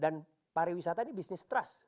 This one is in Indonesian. dan pariwisata ini bisnis trust